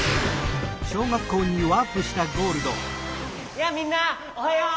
やあみんなおはよう！